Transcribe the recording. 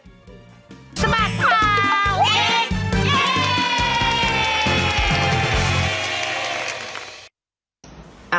เย้